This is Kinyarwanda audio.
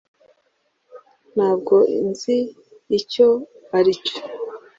ntabwo nzi icyo aricyo